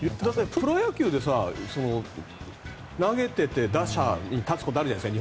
プロ野球で投げてて打者に立つことあるじゃないですか。